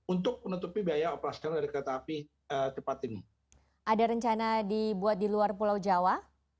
untuk menutupi biaya operasional dari kereta api tepat ini ada rencana dibuat di luar pulau jawa